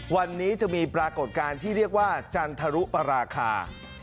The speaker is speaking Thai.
วันนี้จะมีปรากฏการณ์ที่เรียกว่าจันทรุปราคา